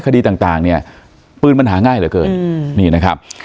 คดีต่างเนี่ยปืนมันหาง่ายเหลือเกินนี่นะครับ